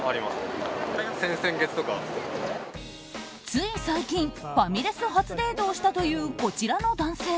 つい最近ファミレス初デートをしたというこちらの男性。